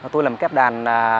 tôi làm kép đàn